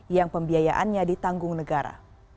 yang pembiayaannya di tanggung negara